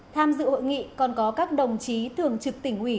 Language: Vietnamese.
tham dự hội nghị còn có các đồng chí thường trực tỉnh ủy